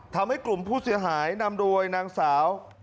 ทำให้กลุ่มผู้เสียหายนำโดยนางสาว